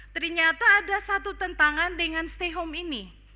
ternyata ada satu tentangan dengan stay home ini